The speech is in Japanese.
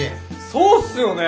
そうっすよね。